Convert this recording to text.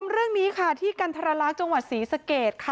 เรื่องนี้ค่ะที่กันทรลักษณ์จังหวัดศรีสะเกดค่ะ